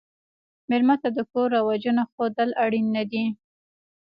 مېلمه ته د کور رواجونه ښودل اړین نه دي.